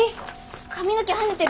髪の毛はねてるよ。